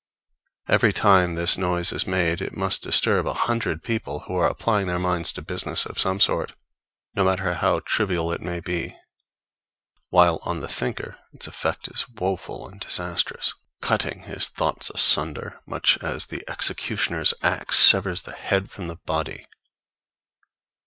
Every time this noise is made, it must disturb a hundred people who are applying their minds to business of some sort, no matter how trivial it may be; while on the thinker its effect is woeful and disastrous, cutting his thoughts asunder, much as the executioner's axe severs the head from the body.